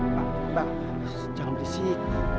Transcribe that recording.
pak pak jangan disini